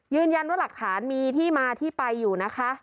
ยืนยันว่าหลักฐานมีที่มาที่ไปอยู่นะคะ